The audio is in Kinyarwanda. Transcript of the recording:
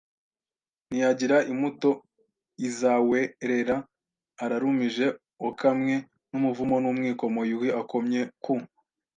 Ntiagira imuto izaerera ararumije okamwe n’umuvumo n’umwikomo Yuhi akomye ku